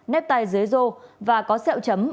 nếp tay dưới rô và có sẹo chấm